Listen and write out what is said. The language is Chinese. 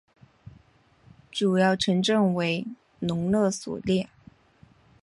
主要城镇为隆勒索涅。